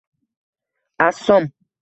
Assom